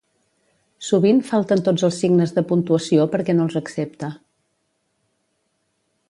Sovint falten tots els signes de puntuació perquè no els accepta.